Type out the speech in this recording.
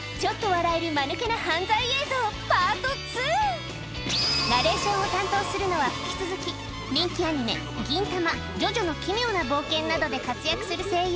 ここからはナレーションを担当するのは引き続き人気アニメ『銀魂』『ジョジョの奇妙な冒険』などで活躍する声優